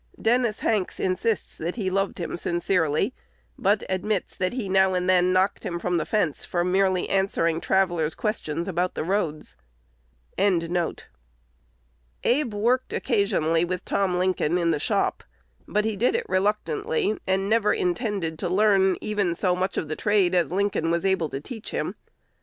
Dennis Hanks insists that he loved him sincerely, but admits that he now and then knocked him from the fence for merely answering traveller's questions about the roads. Abe worked occasionally with Tom Lincoln in the shop; but he did it reluctantly, and never intended to learn even so much of the trade as Lincoln was able to teach him.